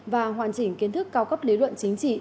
và hoàn chỉnh kiến thức cao cấp lý luận chính trị